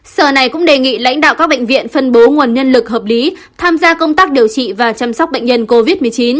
sở này cũng đề nghị lãnh đạo các bệnh viện phân bố nguồn nhân lực hợp lý tham gia công tác điều trị và chăm sóc bệnh nhân covid một mươi chín